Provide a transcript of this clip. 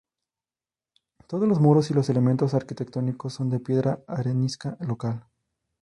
Todos los muros y los elementos arquitectónicos son de piedra arenisca local.